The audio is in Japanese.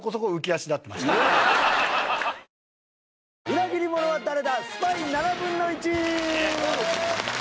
裏切者は誰だ？